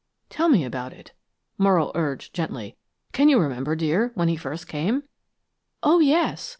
"Tell me about it," Morrow urged, gently. "Can you remember, dear, when he first came?" "Oh, yes.